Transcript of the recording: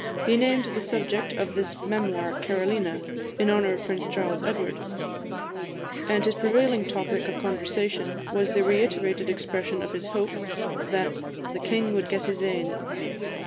He named the subject of this memoir Carolina, in honour of Prince Charles Edward; and his prevailing topic of conversation was the reiterated expression of his hope that "the king would get his ain."